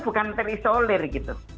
bukan terisolir gitu